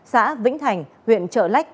xã vĩnh thành huyện trợ lách